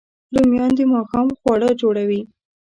رومیان د ماښام خواړه جوړوي